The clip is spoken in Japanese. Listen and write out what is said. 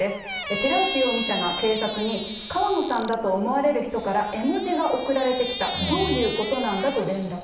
寺内容疑者が警察に、川野さんだと思われる人から絵文字が送られてきた、どういうことなんだと連絡。